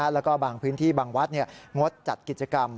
แล้วก็บางพื้นที่บางวัดงดจัดกิจกรรม